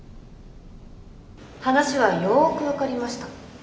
話はよく分かりました。